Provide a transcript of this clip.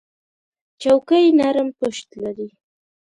چوکۍ نرم پُشت لري.